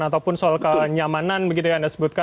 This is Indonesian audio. ataupun soal kenyamanan begitu yang anda sebutkan